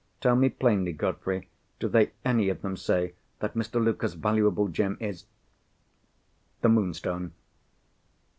Tell me plainly, Godfrey, do they any of them say that Mr. Luker's valuable gem is—the Moonstone?"